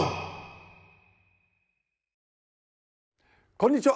こんにちは。